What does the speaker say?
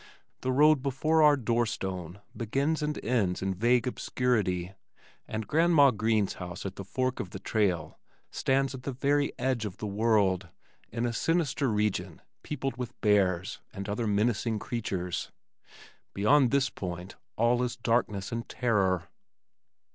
The road before our doorstone begins and ends in vague obscurity and Granma Green's house at the fork of the trail stands on the very edge of the world in a sinister region peopled with bears and other menacing creatures. Beyond this point all is darkness and terror.